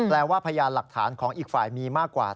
ว่าพยานหลักฐานของอีกฝ่ายมีมากกว่า